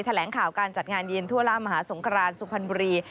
แถลงข่าวการจัดงานยืนทั่วล่ามหาสงครานสุพรรณบุรี